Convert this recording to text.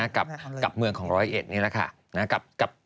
กับเมือง๑๐๑นี่แหละค่ะ